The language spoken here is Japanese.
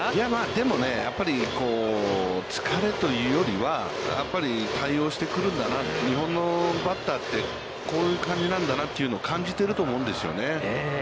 でもね、やっぱり疲れというよりは、やっぱり対応してくるんだな、日本のバッターってこういう感じなんだなというのを感じてると思うんですよね。